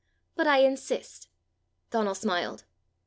"But I insist." Donald smiled.